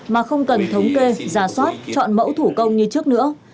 mà không cần thống kê giả soát chọn mẫu thủ công như trước nữa